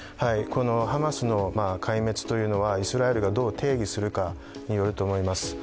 ハマスの壊滅というのは、イスラエルがどう定義するかによると思います。